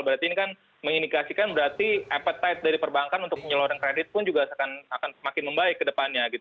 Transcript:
berarti ini kan mengindikasikan berarti appetite dari perbankan untuk menyeluruhan kredit pun juga akan semakin membaik ke depannya